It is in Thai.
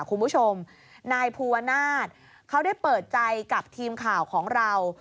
คุณผู้ชมนายภูวนาศเขาได้เปิดใจกับทีมข่าวของเรา